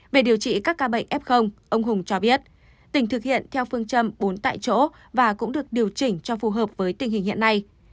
về điều trị các ca bệnh f ông hùng cho biết tỉnh thực hiện theo phương châm bốn tại chỗ và cũng được điều chỉnh cho phù hợp với tình hình hiện nay